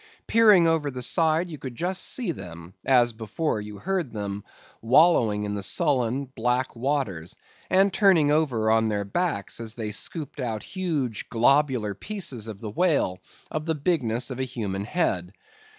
Peering over the side you could just see them (as before you heard them) wallowing in the sullen, black waters, and turning over on their backs as they scooped out huge globular pieces of the whale of the bigness of a human head.